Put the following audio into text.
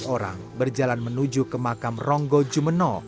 lima belas orang berjalan menuju ke makam ronggo jumeno